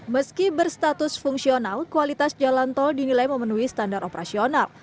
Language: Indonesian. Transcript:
meski berstatus fungsional kualitas jalan tol dinilai memenuhi standar operasional